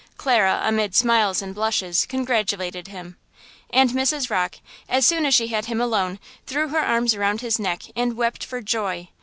Clara, amid smiles and blushes, congratulated him. And Mrs. Rocke, as soon as she had him alone, threw her arms around his neck and wept for joy.